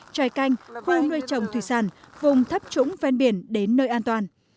tròi canh khoa nuôi trồng thủy sản vùng thấp trũng ven biển đến nơi an toàn